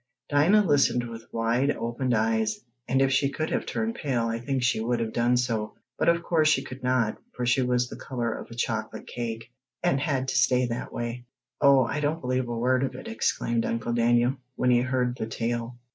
Dinah listened with wide opened eyes, and if she could have turned pale I think she would have done so. But of course she could not, for she was the color of a chocolate cake, and had to stay that way. "Oh, I don't believe a word of it!" exclaimed Uncle Daniel, when he heard the tale.